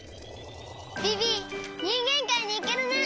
ビビにんげんかいにいけるね。